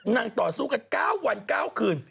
ต่อสู้กัน๙วัน๙คืน